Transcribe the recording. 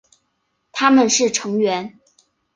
他们是成员。